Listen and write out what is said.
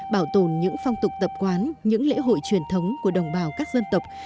bảo tồn những phong tục tập quán những lễ hội truyền thống của đồng bào các dân tộc